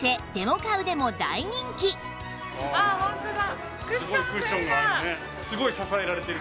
あホントだ。